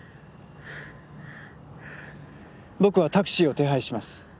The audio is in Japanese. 僕はタクシーを手配します。